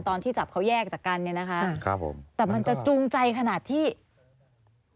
ตอนที่จับเขาแยกจากกันนะคะแต่มันจะจูงใจขนาดที่ครับผม